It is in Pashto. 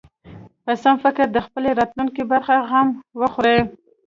په سم فکر د خپلې راتلونکې برخه غم وخوري.